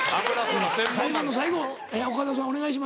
最後の最後岡田さんお願いします。